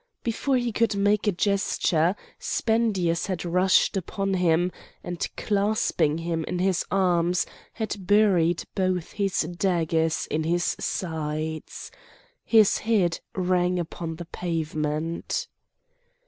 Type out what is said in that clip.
Before he could make a gesture Spendius had rushed upon him, and clasping him in his arms had buried both his daggers in his sides. His head rang upon the pavement.